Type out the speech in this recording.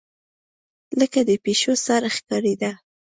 لکه د پيشو سر ښکارېدۀ